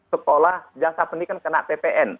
sekolah jasa pendidikan kena ppn